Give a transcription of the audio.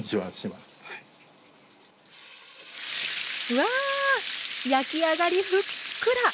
うわあ焼き上がりふっくら！